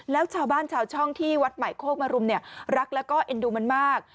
แล้วชาวบ้านชาวช่องที่วัดใหม่โคกมรุมเนี่ยรักแล้วก็เอ็นดูมันมาก